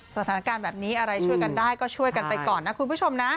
สถานการณ์แบบนี้อะไรช่วยกันได้ก็ช่วยกันไปก่อนนะคุณผู้ชมนะ